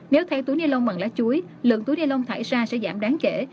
nếu thấy túi ni lông bằng lá chuối lượng túi ni lông thải ra sẽ giảm đáng kể